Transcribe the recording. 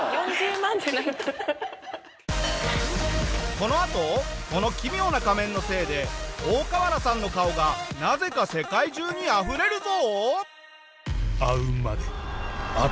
このあとこの奇妙な仮面のせいでオオカワラさんの顔がなぜか世界中にあふれるぞ。